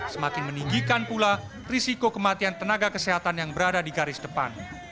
semakin meninggikan pula risiko kematian tenaga kesehatan yang berada di garis depan